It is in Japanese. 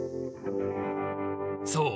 そう。